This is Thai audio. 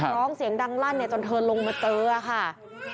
ร้องเสียงดังลั่นจนเธอลงมาเจอค่ะ